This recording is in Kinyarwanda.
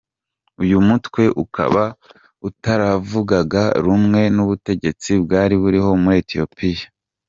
Uyu mutwe ukaba utaravugaga rumwe n’ubutegetsi bwari buriho muri Ethiopia.